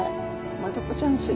マダコちゃんす